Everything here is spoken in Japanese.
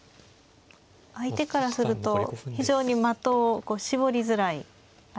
相手からすると非常に的を絞りづらい相手ですね。